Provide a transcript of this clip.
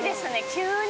急に。